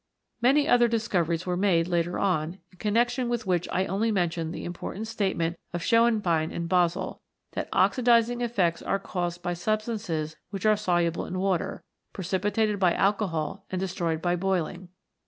Many other discoveries were made later on, in connection with which I only mention the important state ment of Schoenbein in Basel, that oxidising effects are caused by substances which are soluble in water, precipitated by alcohol and destroyed by boiling.